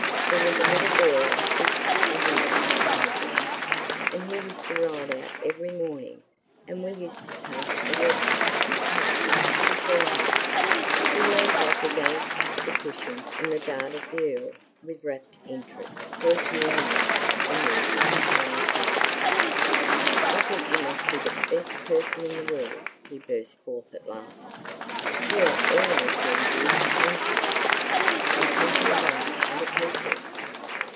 There was a little boy on Fifth Avenue who had one, and he used to ride out every morning and we used to take a walk past his house to see him." He leaned back against the cushions and regarded the Earl with rapt interest for a few minutes and in entire silence. "I think you must be the best person in the world," he burst forth at last. "You are always doing good, aren't you? and thinking about other people.